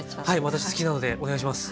私好きなのでお願いします。